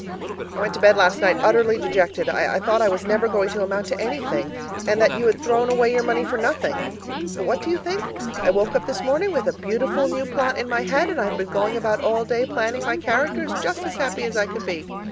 I went to bed last night utterly dejected; I thought I was never going to amount to anything, and that you had thrown away your money for nothing. But what do you think? I woke up this morning with a beautiful new plot in my head, and I've been going about all day planning my characters, just as happy as I could be.